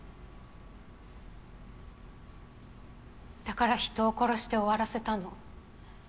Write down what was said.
だから人を殺して終わらせたの。